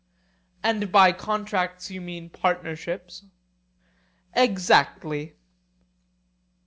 And by contracts you mean partnerships? Exactly.